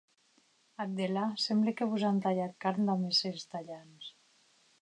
Ath delà, semble que vos an talhat carn damb es estalhants.